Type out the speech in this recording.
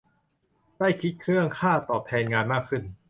ได้คิดเรื่องค่าตอบแทนงานมากขึ้น